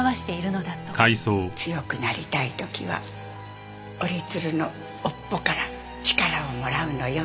強くなりたい時は折り鶴の尾っぽから力をもらうのよ。